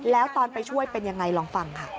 แล้วตอนไปช่วยเป็นยังไงลองฟังค่ะ